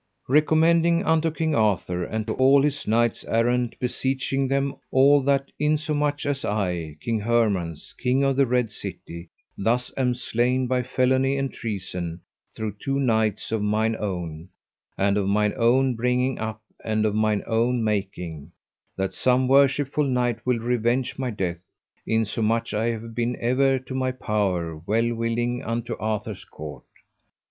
Recommending unto King Arthur and to all his knights errant, beseeching them all that insomuch as I, King Hermance, King of the Red City, thus am slain by felony and treason, through two knights of mine own, and of mine own bringing up and of mine own making, that some worshipful knight will revenge my death, insomuch I have been ever to my power well willing unto Arthur's court.